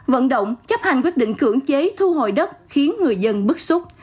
vận động chấp hành quyết định cưỡng chế thu hồi đất khiến người dân bức xúc